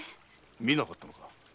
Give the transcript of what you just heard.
見なかったのか？